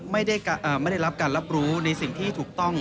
ไม่ได้รับการรับรู้ในสิ่งที่ถูกต้อง